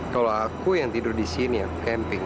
kalo aku yang tidur disini aku camping